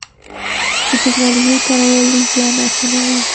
د تکنالوژۍ کارول ژوند اسانوي.